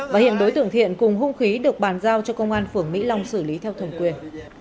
và hiện đối tượng thiện cùng hung khí được bàn giao cho công an phường mỹ long xử lý theo thẩm quyền